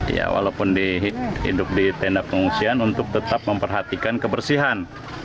ya walaupun hidup di tenda pengungsian untuk tetap memperhatikan kebersihan